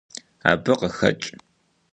Абы къыхэкӀ.